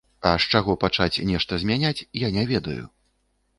А з чаго пачаць нешта змяняць, я не ведаю.